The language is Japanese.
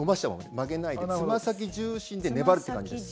曲げないでつま先重心で粘るって感じです。